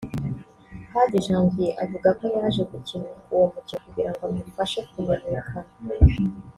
Hadi Janvier avuga ko yaje gukina uwo mukino kugira ngo umufashe kumenyekana